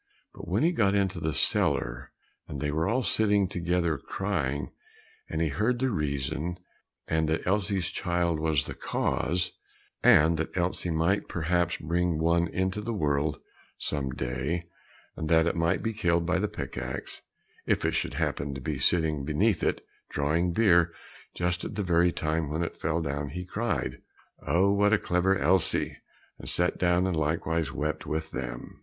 But when he got into the cellar, and they were all sitting together crying, and he heard the reason, and that Elsie's child was the cause, and that Elsie might perhaps bring one into the world some day, and that it might be killed by the pick axe, if it should happen to be sitting beneath it, drawing beer just at the very time when it fell down, he cried, "Oh, what a clever Elsie!" and sat down, and likewise wept with them.